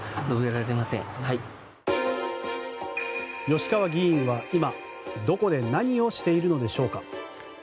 吉川議員は今、どこで何をしているのでしょうか。